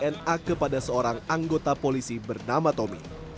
na kepada seorang anggota polisi bernama tommy